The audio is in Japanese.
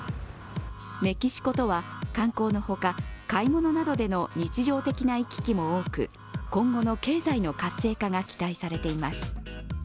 メキシコとは観光の他、買い物などでの日常的な行き来も多く今後の経済の活性化が期待されています。